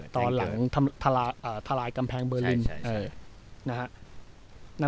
ตอนหลังทลายกำแพงเบอร์ลิน